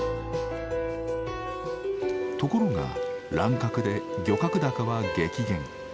ところが乱獲で漁獲高は激減。